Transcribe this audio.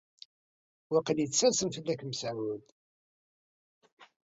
Waqil yettasem fell-ak Mesεud.